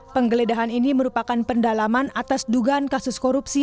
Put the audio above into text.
penggeledahan ini merupakan pendalaman atas dugaan kasus korupsi